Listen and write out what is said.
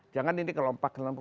jangan ini kelompak kelompak